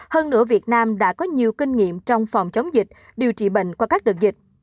hơn nữa việt nam đã có nhiều kinh nghiệm trong phòng chống dịch điều trị bệnh qua các đợt dịch